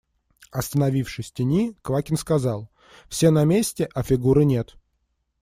Остановившись в тени, Квакин сказал: – Все на месте, а Фигуры нет.